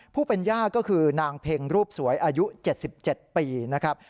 ผู้เป็นย่าก็คือนางเพ็งรูปสวยอายุ๗๗ปีนะครับ